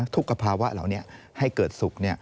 ทุกภาวะเหล่าให้เกิดสุข